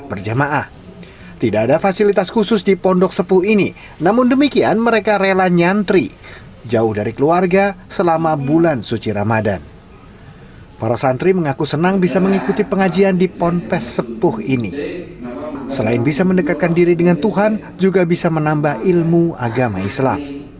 bagaimana tidak selama bulan suci ramadan ratusan santri yang berusia lanjut masih bersemangat menimba ilmu agama